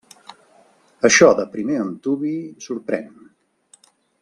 Això de primer antuvi sorprèn.